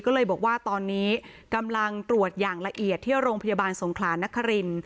ก็เลยบอกว่าตอนนี้กำลังตรวจอย่างละเอียดที่โรงพยาบาลสงขลานคริน